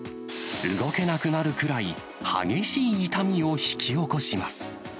動けなくなるくらい、激しい痛みを引き起こします。